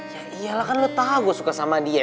ya iyalah kan lo tau gue suka sama dia